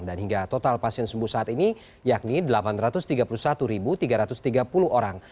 dan hingga total pasien sembuh saat ini yakni delapan ratus tiga puluh satu tiga ratus tiga puluh orang